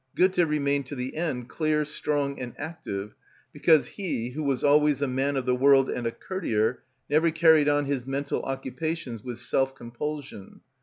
Goethe remained to the end clear, strong, and active minded, because he, who was always a man of the world and a courtier, never carried on his mental occupations with self compulsion.